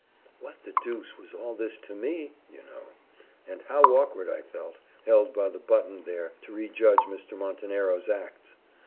"What the deuce was all this to me, you know? and how awkward I felt, held by the button there, to rejudge Mr. Montenero's acts!